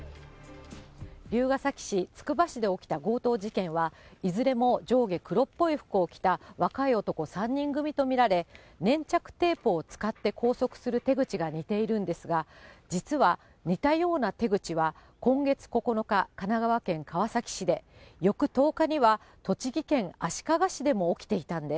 龍ケ崎市、つくば市で起きた強盗事件は、いずれも上下黒っぽい服を着た若い男３人組と見られ、粘着テープを使って拘束する手口が似ているんですが、実は似たような手口は今月９日、神奈川県川崎市で、翌１０日には栃木県足利市でも起きていたんです。